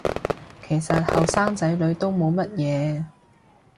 其實後生仔女都冇乜嘢